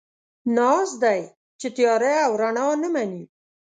ناز دی، چې تياره او رڼا نه مني